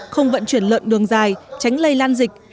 không vận chuyển lợn đường dài tránh lây lan dịch